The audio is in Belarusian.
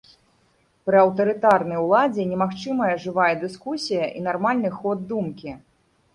Пры аўтарытарнай уладзе немагчымая жывая дыскусія і нармальны ход думкі.